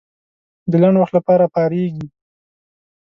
د لنډ وخت لپاره پارېږي.